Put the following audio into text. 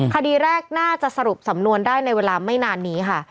คดีแรกน่าจะสรุปสำนวนได้ในเวลาไม่นานนี้ค่ะ